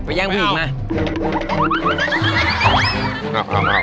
ไปย่างพี่อีกมา